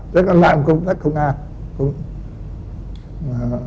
thế còn lại một công tác công an